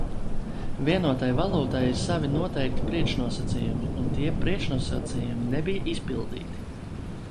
Vienotai valūtai ir savi noteikti priekšnosacījumi, un tie priekšnosacījumi nebija izpildīti.